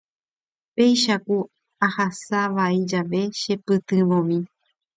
Péicha ku ahasavai jave chepytyvõmi.